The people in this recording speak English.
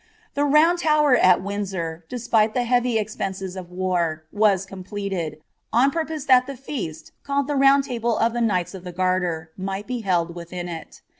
The Itound Tower at Windsor, despite of the heavy expenses <^ war, was completed, on purpose that the feast, called the Bound Table of the Knights of the Garter, might be held within it.